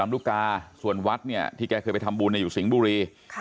ไม่รู้เลยเหรอวันนั้นน่าเลย